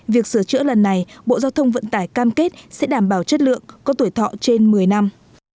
việc sửa chữa lần này bộ giao thông vận tải cam kết sẽ đảm bảo chất lượng có tuổi thọ trên một mươi năm